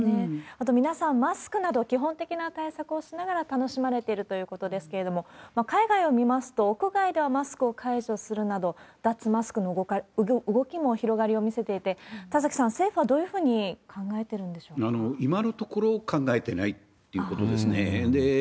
あと、皆さん、マスクなど基本的な対策をしながら楽しまれているということですけれども、海外を見ますと、屋外ではマスクを解除するなど、脱マスクの動きも広がりを見せていて、田崎さん、政府はどういう今のところ、考えてないということですね。